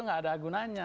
tidak ada gunanya